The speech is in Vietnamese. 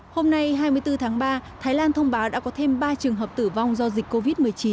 hôm nay hai mươi bốn tháng ba thái lan thông báo đã có thêm ba trường hợp tử vong do dịch covid một mươi chín